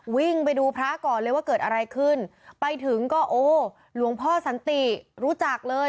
วิ่งไปดูพระก่อนเลยว่าเกิดอะไรขึ้นไปถึงก็โอ้หลวงพ่อสันติรู้จักเลย